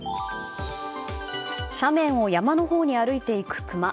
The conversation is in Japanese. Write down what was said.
斜面を山のほうに歩いていくクマ。